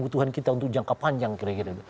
itu bisa untuk jangka panjang kira kira